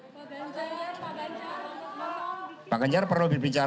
pak ganjar pak ganjar pak ganjar perlu berbicara